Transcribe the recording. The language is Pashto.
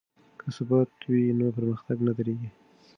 که ثبات وي نو پرمختګ نه دریږي.